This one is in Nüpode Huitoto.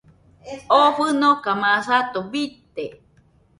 Oo fɨnoka masato bite.